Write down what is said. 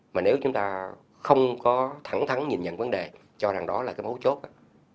mà nếu chúng ta không có thẳng thắn nhìn nhận vấn đề cho rằng đó là cái mấu chốt